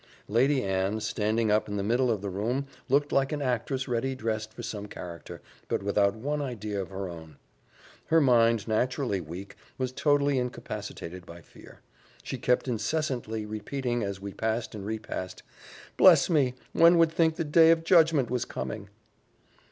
Lady Anne standing up in the middle of the room looked like an actress ready dressed for some character, but without one idea of her own. Her mind, naturally weak, was totally incapacitated by fear: she kept incessantly repeating as we passed and repassed, "Bless me! one would think the day of judgment was coming!"